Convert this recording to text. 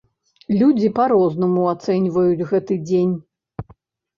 Людзі па-рознаму ацэньваюць гэты дзень.